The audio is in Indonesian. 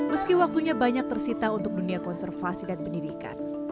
meski waktunya banyak tersita untuk dunia konservasi dan pendidikan